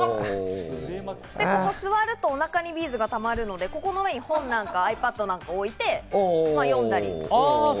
座ると、お腹にビーズがたまるので、ここのラインにｉＰａｄや本なんかを置いて読んだり。